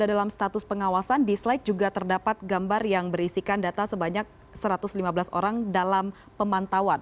dalam status pengawasan di slide juga terdapat gambar yang berisikan data sebanyak satu ratus lima belas orang dalam pemantauan